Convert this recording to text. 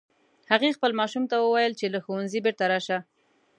هغې خپل ماشوم ته وویل چې له ښوونځي بیرته راشه